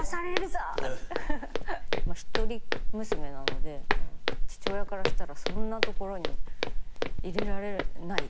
一人娘なので父親からしたらそんなところに入れられないって。